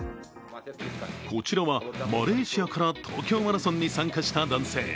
こちらはマレーシアから東京マラソンに参加した男性。